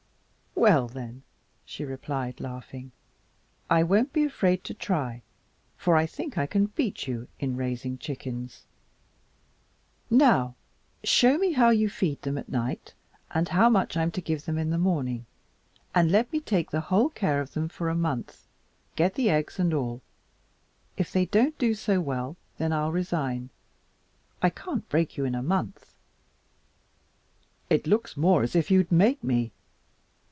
"Well, then," she replied, laughing, "I won't be afraid to try, for I think I can beat you in raising chickens. Now, show me how much you feed them at night and how much I'm to give them in the morning, and let me take the whole care of them for a month, get the eggs, and all. If they don't do so well, then I'll resign. I can't break you in a month." "It looks more as if you'd make me.